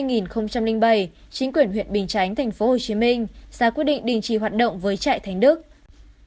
năm hai nghìn bảy chính quyền huyện bình chánh thành phố hồ chí minh ra quyết định đình chỉ hoạt động với trại thánh đức